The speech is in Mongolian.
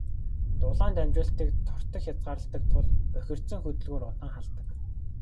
Дулаан дамжуулалтыг тортог хязгаарладаг тул бохирдсон хөдөлгүүр удаан халдаг.